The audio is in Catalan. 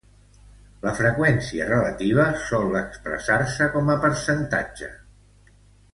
La freqüència relativa sol expressar-se com a percentatge.